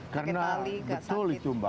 karena betul itu mbak